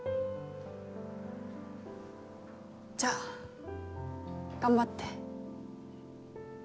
じゃあ頑張って。